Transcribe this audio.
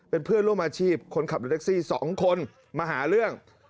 เป็นเพื่อนร่วมอาชีพคนขับรถแท็กซี่๒คนมาหาเรื่อง